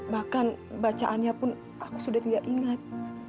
bahkan bacaannya pun aku sudah tidak ingat